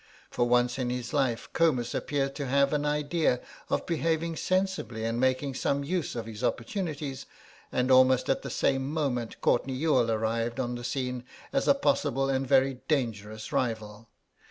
For once in his life Comus appeared to have an idea of behaving sensibly and making some use of his opportunities, and almost at the same moment Courtenay Youghal arrived on the scene as a possible and very dangerous rival.